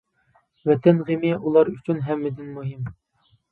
ۋەتەن غېمى ئۇلار ئۈچۈن ھەممىدىن مۇھىم.